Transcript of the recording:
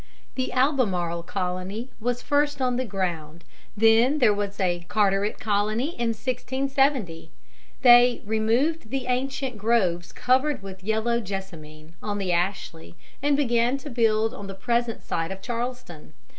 The Albemarle Colony was first on the ground. Then there was a Carteret Colony in 1670. They "removed the ancient groves covered with yellow jessamine" on the Ashley, and began to build on the present site of Charleston.